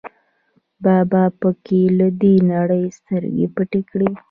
بابا په کې له دې نړۍ سترګې پټې کړې.